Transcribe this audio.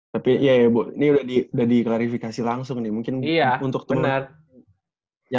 tapi iya ya bu ini udah diklarifikasi langsung nih mungkin untuk semua yang lainnya